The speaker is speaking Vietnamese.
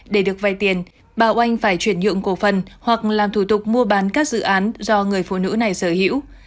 để được vay tiền bà oanh phải chuyển nhượng cổ phần hoặc làm thủ tục mua bán các dự án do người phụ nữ này sở hữu